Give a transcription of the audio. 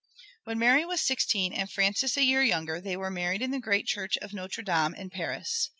When Mary was sixteen and Francis a year younger they were married in the great church of Notre Dame in Paris.